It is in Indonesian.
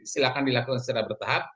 silakan dilakukan secara bertahap